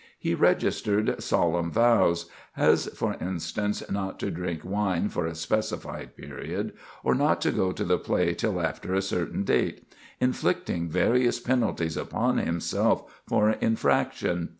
He registered solemn vows,—as, for instance, not to drink wine for a specified period, or not to go to the play till after a certain date,—inflicting various penalties upon himself for infraction.